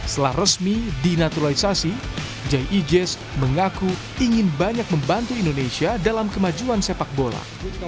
setelah resmi dinaturalisasi ji jazz mengaku ingin banyak membantu indonesia dalam kemajuan sepak bola